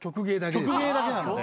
曲芸だけなんで。